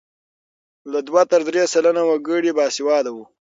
له دوه تر درې سلنې وګړي باسواده وو.